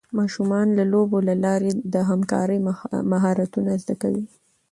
ماشومان د لوبو له لارې د همکارۍ مهارتونه زده کوي.